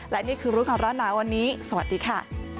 และนี่คือรุ่นของเราในวันนี้สวัสดีค่ะ